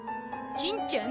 ちんちゃん？